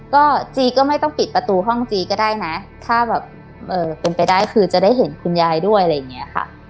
ก็จีก็ไม่ต้องปิดประตูห้องจีก็ได้นะถ้าแบบเป็นไปได้คือจะได้เห็นคุณยายด้วยอะไรอย่างเงี้ยค่ะ